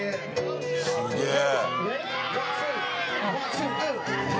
すげえ！